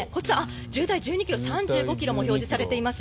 渋滞１２ｋｍ３５ｋｍも表示されています。